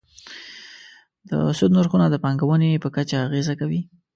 د سود نرخونه د پانګونې په کچه اغېزه کوي.